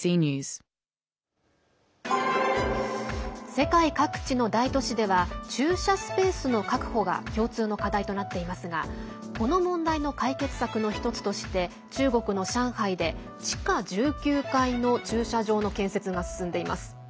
世界各地の大都市では駐車スペースの確保が共通の課題となっていますがこの問題の解決策の１つとして中国の上海で地下１９階の駐車場の建設が進んでいます。